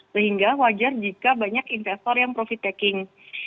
sehingga wajar jika banyak investor yang profit taking